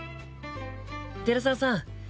寺澤さん。